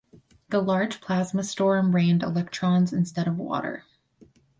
The large plasma storm rained electrons instead of water.